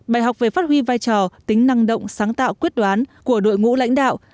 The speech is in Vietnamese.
bài học về phát huy vai trò tính năng động sáng tạo quyết đoán của đội ngũ lãnh đạo